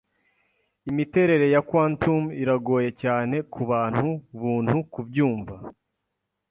Imiterere ya Quantum iragoye cyane kubantu buntu kubyumva.